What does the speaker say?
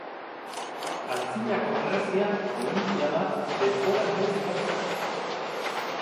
Antzinako Grezian, olinpiada, denbora neurri bat zen.